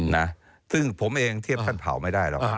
นะซึ่งผมเองเทียบท่านเผาไม่ได้หรอก